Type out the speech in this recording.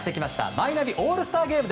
マイナビオールスターゲーム。